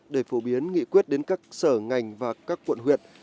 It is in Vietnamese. để phổ biến nghị quyết đến các sở ngành và các quận huyện